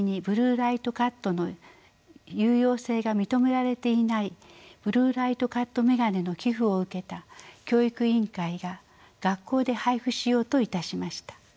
ライトカットの有用性が認められていないブルーライトカット眼鏡の寄付を受けた教育委員会が学校で配布しようといたしました。